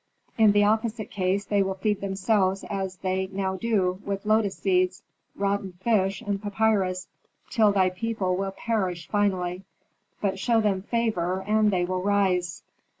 In the opposite case they will feed themselves as they now do, with lotus seeds, rotten fish and papyrus, till thy people will perish finally. But show them favor and they will rise."